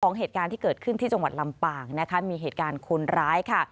เหตุการณ์ที่เกิดขึ้นที่จังหวัดลำปางนะคะมีเหตุการณ์คนร้ายค่ะ